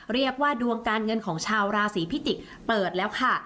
เรียกว่าดวงการเงินของชาวราศีพิจิกษ์เปิดแล้วค่ะ